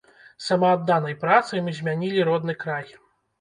Самаадданай працай мы змянілі родны край.